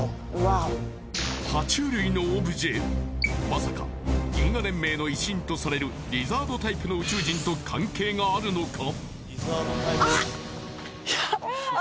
まさか銀河連盟の一員とされるリザードタイプの宇宙人と関係があるのか？